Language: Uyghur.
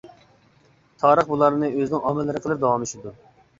تارىخ بۇلارنى ئۆزىنىڭ ئامىللىرى قىلىپ داۋاملىشىدۇ.